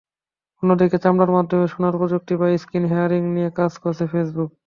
অন্যদিকে চামড়ার মাধ্যমে শোনার প্রযুক্তি বা স্কিন হেয়ারিং নিয়ে কাজ করছে ফেসবুক।